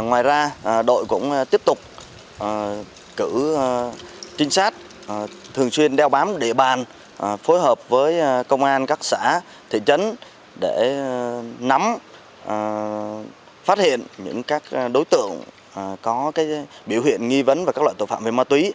ngoài ra đội cũng tiếp tục cử trinh sát thường xuyên đeo bám địa bàn phối hợp với công an các xã thị trấn để nắm phát hiện những các đối tượng có biểu hiện nghi vấn và các loại tội phạm về ma túy